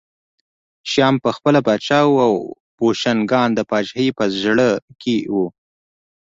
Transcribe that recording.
شیام پخپله پاچا و او بوشنګان د پاچاهۍ په زړه کې وو